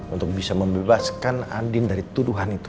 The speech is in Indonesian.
untuk bisa membebaskan andin dari tuduhan itu